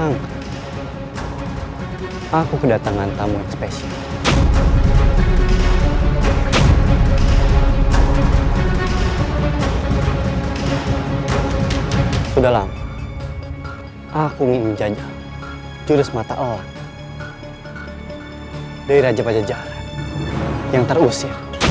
aku harus segera pergi